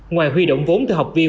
ngoài huy động vốn từ học viên